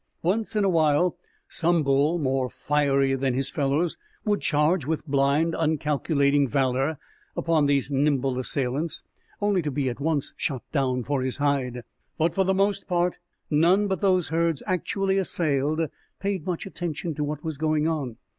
Once in a while some bull, more fiery than his fellows, would charge with blind, uncalculating valor upon these nimble assailants, only to be at once shot down for his hide. But for the most part, none but those herds actually assailed paid much attention to what was going on.